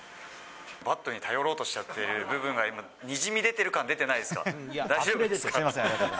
バットに頼ろうとしちゃっている部分が、今、にじみ出てる感出て大丈夫ですか？